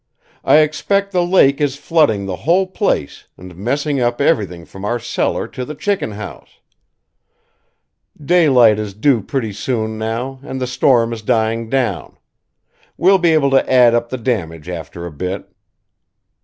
I expect the lake is flooding the whole place and messing up everything from our cellar to the chickenhouse. Daylight is due pretty soon, now, and the storm is dying down. We'll be able to add up the damage, after a bit."